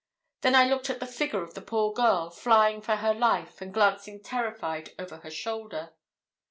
Then I looked at the figure of the poor girl, flying for her life, and glancing terrified over her shoulder.